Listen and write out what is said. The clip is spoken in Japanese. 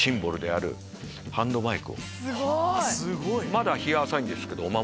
まだ日は浅いんですけど。